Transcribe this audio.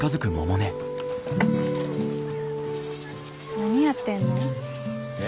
何やってんの？え？